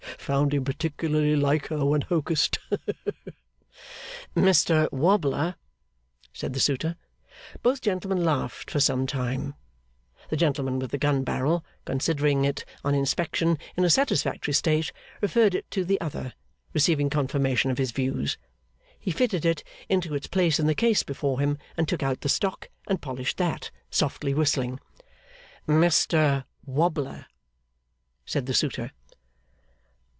Found him particularly like her when hocussed.' 'Mr Wobbler?' said the suitor. Both gentlemen laughed for some time. The gentleman with the gun barrel, considering it, on inspection, in a satisfactory state, referred it to the other; receiving confirmation of his views, he fitted it into its place in the case before him, and took out the stock and polished that, softly whistling. 'Mr Wobbler?' said the suitor.